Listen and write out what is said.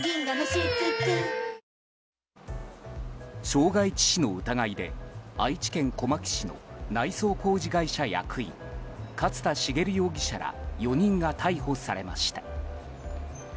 傷害致死の疑いで愛知県小牧市の内装工事会社役員勝田茂容疑者ら４人が逮捕されました。